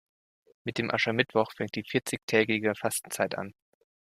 Mit dem Aschermittwoch fängt die vierzigtägige Fastenzeit an.